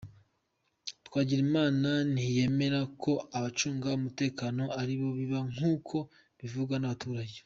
Twagirimana ntiyemera ko abacunga umutekano aribo biba nkuko bivugwa n’abaturage.